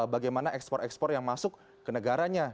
bagaimana ekspor ekspor yang masuk ke negaranya